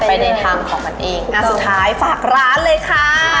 ไปในทางของมันเองอ่าสุดท้ายฝากร้านเลยค่ะ